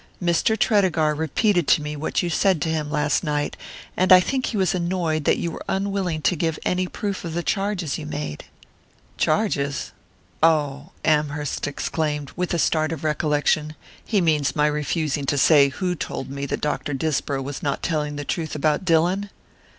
Mr. Tredegar repeated to me what you said to him last night, and I think he was annoyed that you were unwilling to give any proof of the charges you made." "Charges? Ah," Amherst exclaimed, with a start of recollection, "he means my refusing to say who told me that Dr. Disbrow was not telling the truth about Dillon?"